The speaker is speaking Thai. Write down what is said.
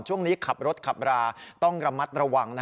ช่วงนี้ขับรถขับราต้องระมัดระวัง